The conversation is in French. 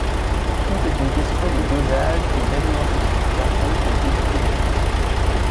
Tout est une question de dosage et d'alimentation variée et équilibrée.